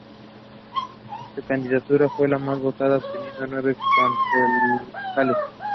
Su candidatura fue la más votada, obteniendo nueve concejales.